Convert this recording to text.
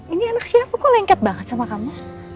ini anak siapa kok lengket banget sama kamu